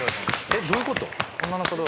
えっどういうこと？